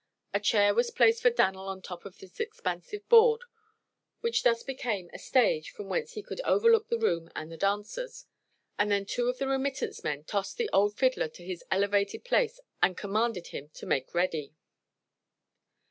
A chair was placed for Dan'l on top of this expansive board, which thus became a stage from whence he could overlook the room and the dancers, and then two of the remittance men tossed the old fiddler to his elevated place and commanded him to make ready.